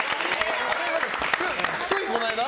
ついこの間？